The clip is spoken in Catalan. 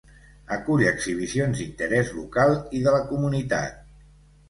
Acull exhibicions d'interès local i de la comunitat.